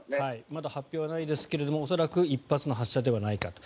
まだ発表はないですが恐らく１発の発射ではないかと。